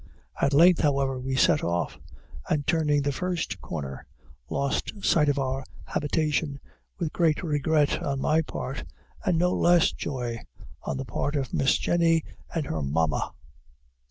At length, however, we set off, and, turning the first corner, lost sight of our habitation, with great regret on my part, and no less joy on the part of Miss Jenny and her Mamma.